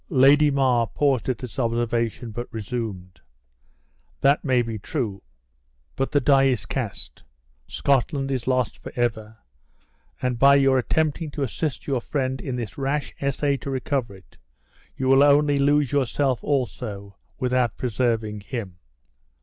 Lady Mar paused at this observation, but resumed, "That may be true. But the die is cast; Scotland is lost forever; and by your attempting to assist your friend in this rash essay to recover it, you will only lose yourself also, without preserving him.